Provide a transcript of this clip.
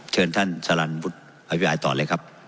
เชิญท่านสลันวุฒิอภิปรายต่อเลยครับ